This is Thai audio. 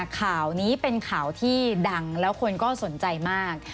ข่าวนี้เป็นข่าวที่ดังแล้วคนก็สนใจมาก